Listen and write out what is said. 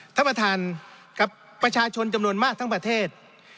ท่านประธานกับประชาชนจำนวนมากทั้งประเทศ